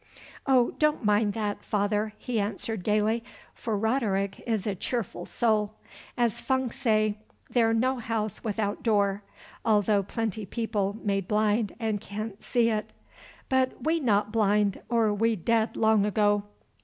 "Oh, don't mind that, Father," he answered gaily, for Roderick is a cheerful soul. "As Fung say, there no house without door, although plenty people made blind and can't see it. But we not blind, or we dead long ago.